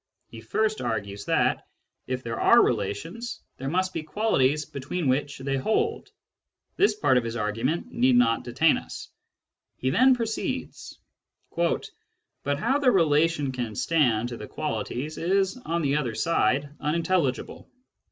He first argues that, if there are relations, there must be qualities between which they hold. This part of his argument need not detain us. He then proceeds :" But how the relation can stand to the qualities is, Digitized by Google CURRENT TENDENCIES 7 on the other side, unintelligible.